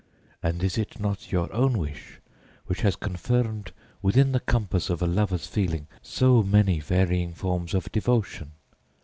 And is it not your own wish which has confined within the compass of a lover's feeling so many varying forms of devotion?